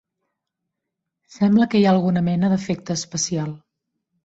Sembla que hi ha alguna mena d'efecte especial.